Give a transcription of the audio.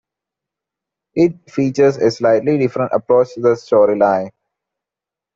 It features a slightly different approach to the storyline.